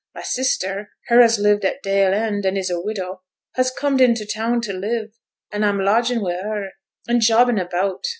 My sister, her as lived at Dale End an' is a widow, has comed int' town to live; an' a'm lodging wi' her, an' jobbin' about.